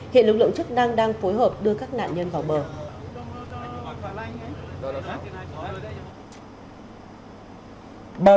hiện lực lượng chức năng đang phối hợp đưa các nạn nhân vào bờ